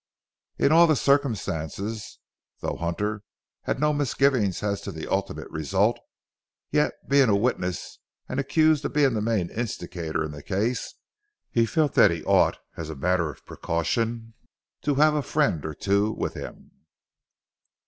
In all the circumstances, though Hunter had no misgivings as to the ultimate result, yet being a witness and accused of being the main instigator in the case, he felt that he ought, as a matter of precaution, to have a friend or two with him.